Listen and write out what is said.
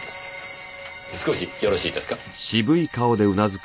少しよろしいですか？